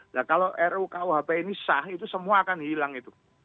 nah kalau rukuhp ini sah itu semua akan hilang itu